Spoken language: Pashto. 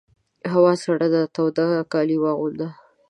هوا سړه ده تاوده کالي واغونده!